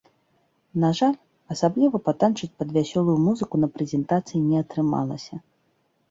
На жаль, асабліва патанчыць пад вясёлую музыку на прэзентацыі не атрымалася.